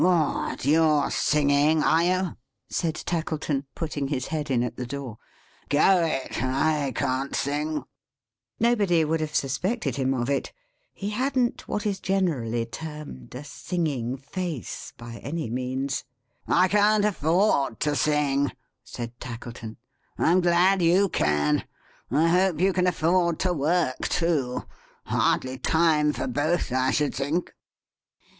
"What! you're singing, are you?" said Tackleton, putting his head in, at the door. "Go it! I can't sing." Nobody would have suspected him of it. He hadn't what is generally termed a singing face, by any means. "I can't afford to sing," said Tackleton. "I'm glad you can. I hope you can afford to work too. Hardly time for both, I should think?"